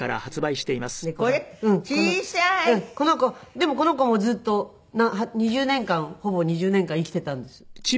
でもこの子もずっと２０年間ほぼ２０年間生きていたんです。